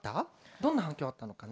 どんな反響あったのかな？